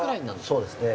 そうですね。